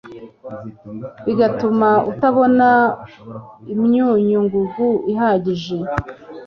bigatuma atabona imyunyu ngugu ihagije